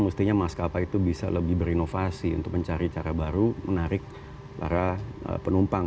mestinya maskapai itu bisa lebih berinovasi untuk mencari cara baru menarik para penumpang